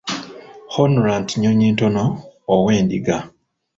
Honorat Nnyonyintono ow'Endiga.